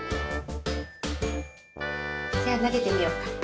じゃあなげてみようか。